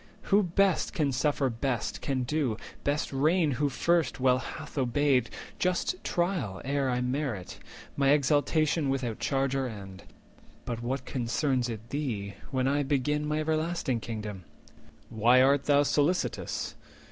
Who best Can suffer best can do, best reign who first Well hath obeyed—just trial ere I merit My exaltation without change or end. But what concerns it thee when I begin My everlasting Kingdom? Why art thou Solicitous?